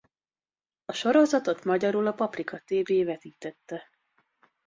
A sorozatot magyarul a Paprika Tv vetítette.